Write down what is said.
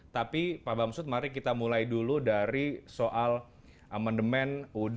tapi pak bamsud mari kita mulai dulu dari soal amendemen ud seribu sembilan ratus empat puluh lima